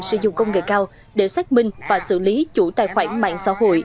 sử dụng công nghệ cao để xác minh và xử lý chủ tài khoản mạng xã hội